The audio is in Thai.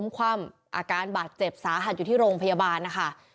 คว่ำอาการบาดเจ็บสาหัสอยู่ที่โรงพยาบาลนะคะ